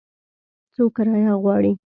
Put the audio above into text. څو کرایه غواړي ؟